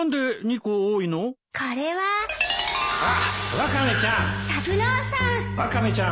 ワカメちゃん